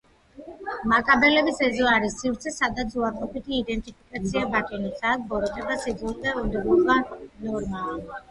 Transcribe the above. მაკაბელების ეზო არის სივრცე, სადაც უარყოფითი იდენტიფიკაცია ბატონობს, აქ ბოროტება, სიძულვილი და უნდობლობა ნორმაა.